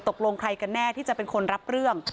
ตกลงใครกันแน่ที่จะเป็นคนรับเรื่อง